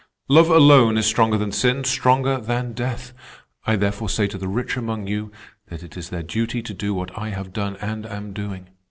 Love alone is stronger than sin—stronger than death. I therefore say to the rich among you that it is their duty to do what I have done and am doing.